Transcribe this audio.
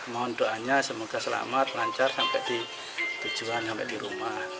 mohon doanya semoga selamat lancar sampai di tujuan sampai di rumah